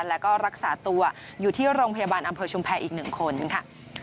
แล้วก็รักษาตัวอยู่ที่โรงพยาบาลอำเภอชุมแพรอีก๑คนค่ะ